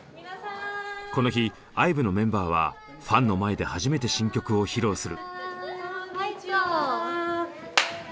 この日ＩＶＥのメンバーはファンの前で初めて新曲を披露する。